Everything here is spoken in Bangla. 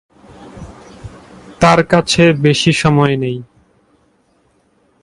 তার কাছে বেশি সময় নেই।